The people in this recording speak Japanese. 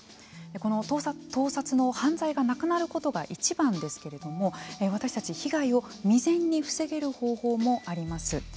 この盗撮の犯罪がなくなることがいちばんですけれども私たちが被害を未然に防げる方法もあります。